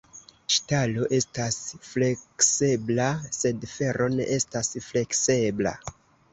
Ŝtalo estas fleksebla, sed fero ne estas fleksebla.